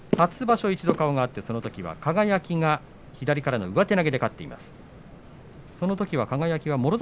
初場所、一度顔が合ったときは輝は左からの上手投げで勝っています。